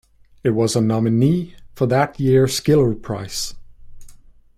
It was a nominee for that year's Giller Prize.